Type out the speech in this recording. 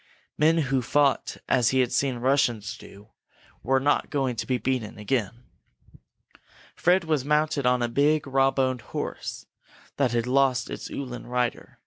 Men who fought as he had seen Russians do were not going to be beaten again. Fred was mounted now on a big, rawboned horse that had lost its Uhlan rider.